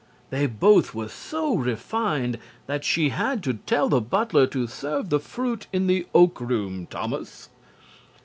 They both were so refined that she had to tell the butler to "serve the fruit in the Oak Room, Thomas."